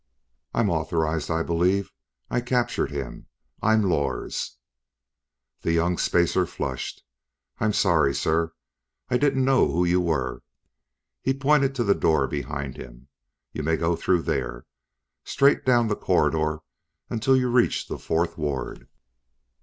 "I'm authorized, I believe. I captured him. I'm Lors." The young spacer flushed. "I'm sorry, sir, I didn't know who you were." He pointed to the door behind him. "You may go through there. Straight down the corridor until you reach the fourth ward."